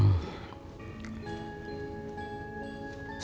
suka cepet naik darah